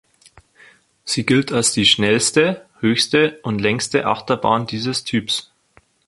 Sie gilt als die schnellste, höchste und längste Achterbahn dieses Typs.